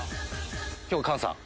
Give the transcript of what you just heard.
今日は菅さん